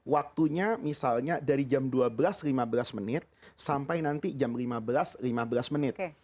waktunya misalnya dari jam dua belas lima belas menit sampai nanti jam lima belas lima belas menit